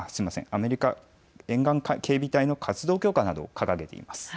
アメリカ沿岸警備隊の活動強化などを掲げています。